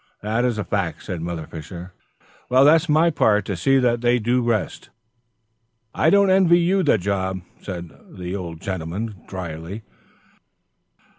"That is a fact," said Mother Fisher. "Well, that's my part to see that they do rest." "I don't envy you the job," said the old gentleman, drily.